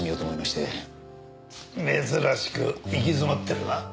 珍しく行き詰まってるな？